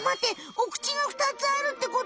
お口が２つあるってこと？